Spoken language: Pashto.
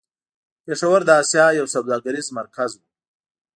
پېښور د آسيا يو سوداګريز مرکز و.